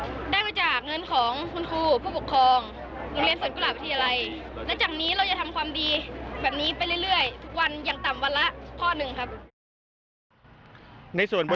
และจากนี้เราจะทำความดีแบบนี้ไปเรื่อยทุกวันอย่างต่ำวันละพอหนึ่งครับ